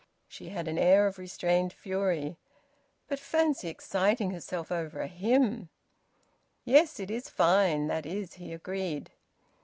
She had an air of restrained fury. But fancy exciting herself over a hymn! "Yes, it is fine, that is!" he agreed.